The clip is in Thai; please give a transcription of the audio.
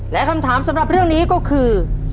และคำถามสำหรับเรื่องนี้ก็คือ